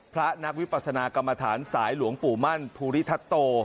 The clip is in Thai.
พระนักวิปัสนากรรมฐานสายหลวงปู่มั่นภูริทัศโต